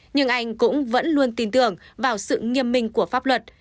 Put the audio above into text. nhưng anh cũng vẫn luôn tin tưởng vào sự nghiêm minh của pháp luật